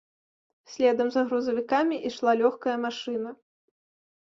Следам за грузавікамі ішла лёгкая машына.